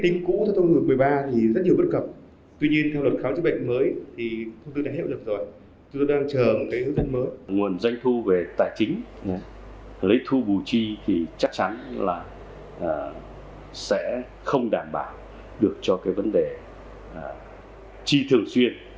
nguồn doanh thu về tài chính lấy thu bù chi thì chắc chắn là sẽ không đảm bảo được cho cái vấn đề chi thường xuyên